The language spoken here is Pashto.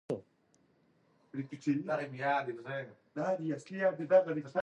خلک د مشورې له لارې ښه پرېکړې کوي